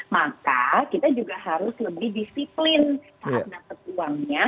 maka kita juga harus lebih disiplin saat dapat uangnya